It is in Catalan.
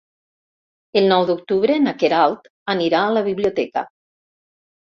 El nou d'octubre na Queralt anirà a la biblioteca.